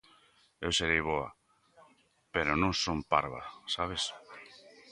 Eu serei boa, pero non son parva, sabes.